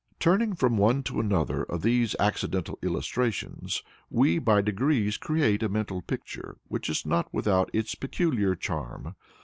Turning from one to another of these accidental illustrations, we by degrees create a mental picture which is not without its peculiar charm.